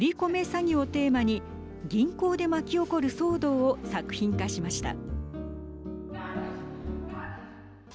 詐欺をテーマに銀行で巻き起こる騒動を作品化しました。